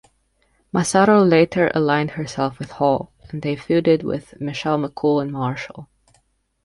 Massaro later aligned herself with Hall, and they feuded with Michelle McCool and Marshall.